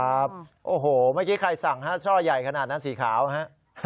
โอ้โหเมื่อกี้ใครสั่งฮะช่อใหญ่ขนาดนั้นสีขาวฮะ